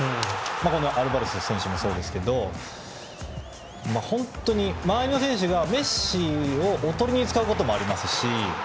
アルバレス選手もそうですけど本当に周りの選手がメッシをおとりに使うこともありますし。